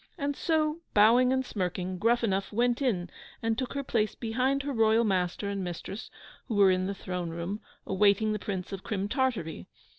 And so, bowing and smirking, Gruffanuff went in and took her place behind her Royal Master and Mistress, who were in the throne room, awaiting the Prince of Crim Tartary.